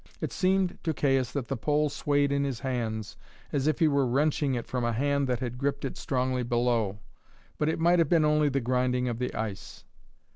It seemed to Caius that the pole swayed in his hands, as if he were wrenching it from a hand that had gripped it strongly below; but it might have been only the grinding of the ice.